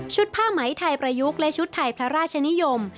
ผ้าไหมไทยประยุกต์และชุดไทยพระราชนิยม